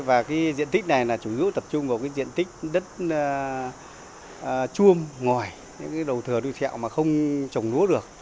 và diện tích này là chủ yếu tập trung vào diện tích đất chuông ngòi những đầu thừa đu thẹo mà không trồng lúa được